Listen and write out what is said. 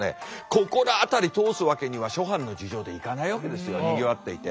ここら辺り通すわけには諸般の事情でいかないわけですよにぎわっていて。